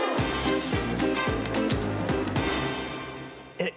えっ？